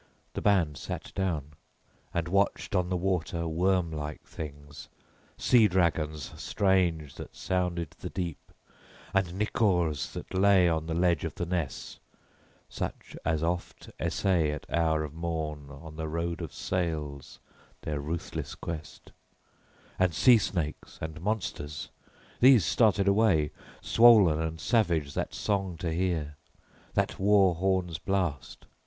The band sat down, and watched on the water worm like things, sea dragons strange that sounded the deep, and nicors that lay on the ledge of the ness such as oft essay at hour of morn on the road of sails their ruthless quest, and sea snakes and monsters. These started away, swollen and savage that song to hear, that war horn's blast.